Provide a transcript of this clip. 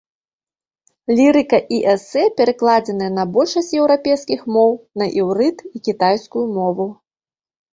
Лірыка і эсэ перакладзеныя на большасць еўрапейскіх моў, на іўрыт і кітайскую мову.